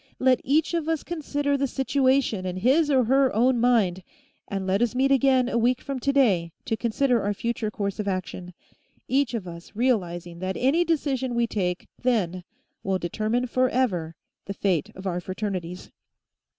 Let each of us consider the situation in his or her own mind, and let us meet again a week from today to consider our future course of action, each of us realizing that any decision we take then will determine forever the fate of our Fraternities."